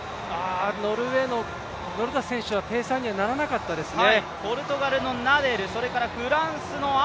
ノルウェーのノルダス選手はペース配分にならなかったですね。